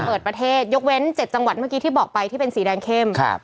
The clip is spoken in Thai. เปิดประเทศยกเว้น๗จังหวัดเมื่อกี้ที่บอกไปที่เป็นสีแดงเข้ม